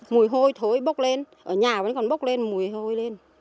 mùi hôi thối bốc lên ở nhà vẫn còn bốc lên mùi hôi lên